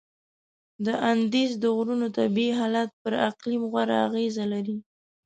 د اندیز د غرونو طبیعي حالت پر اقلیم غوره اغیزه لري.